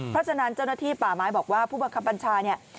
เพราะฉะนั้นเจ้าหน้าที่ป่าไม้บอกว่าผู้บังคับบัญชาเนี่ย